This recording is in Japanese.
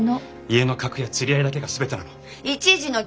家の格や釣り合いだけが全てなの？